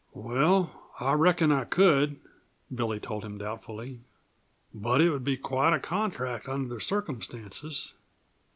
"Well, I reckon I could," Billy told him doubtfully, "but it would be quite a contract under the circumstances.